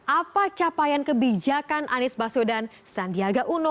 apa capaian kebijakan anies baso dan sandiaga uno